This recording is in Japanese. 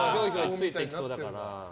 ついていきそうだから。